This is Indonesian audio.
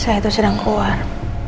saya itu sedang keluar